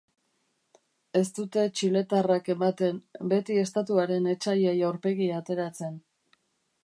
Ez dute txiletarrak ematen, beti Estatuaren etsaiei aurpegia ateratzen.